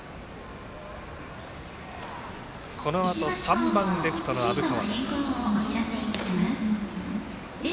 このあと３番レフトの虻川。